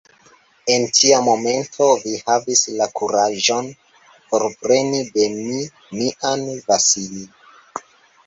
En tia momento vi havis la kuraĝon forpreni de mi mian Vasili!